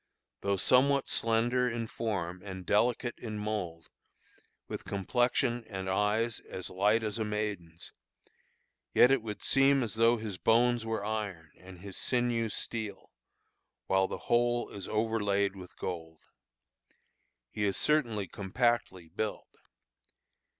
Though somewhat slender in form and delicate in mould, with complexion and eyes as light as a maiden's, yet it would seem as though his bones were iron and his sinews steel, while the whole is overlaid with gold. He is certainly compactly built.